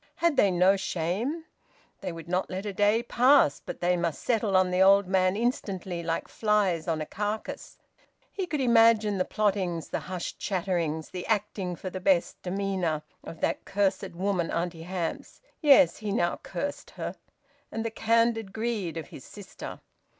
Had they no shame? They would not let a day pass; but they must settle on the old man instantly, like flies on a carcass! He could imagine the plottings, the hushed chatterings; the acting for the best demeanour of that cursed woman Auntie Hamps (yes, he now cursed her), and the candid greed of his sister.